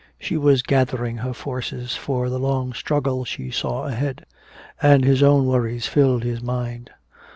She was gathering her forces for the long struggle she saw ahead. And his own worries filled his mind.